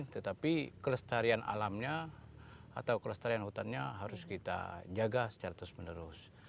tetapi kelestarian alamnya atau kelestarian hutannya harus kita jaga secara terus menerus